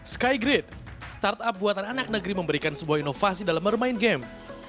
skygrid startup buatan anak negeri memberikan sebuah inovasi dalam bermain game